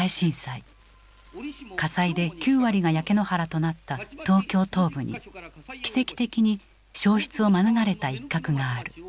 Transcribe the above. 火災で９割が焼け野原となった東京東部に奇跡的に焼失を免れた一角がある。